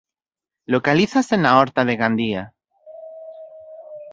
Localízase na Horta de Gandia.